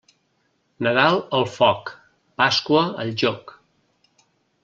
Nadal al foc, Pasqua al joc.